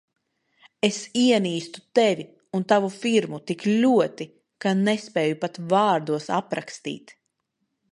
Es ienīstu Tevi un tavu firmu tik ļoti, ka nespēju pat vārdos aprakstīt.